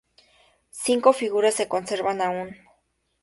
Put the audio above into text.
Cinco figuras se conservan aún.